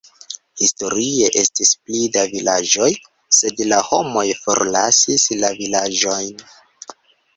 Historie estis pli da vilaĝoj, sed la homoj forlasis la vilaĝojn.